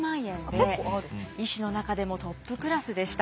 医師の中でもトップクラスでした。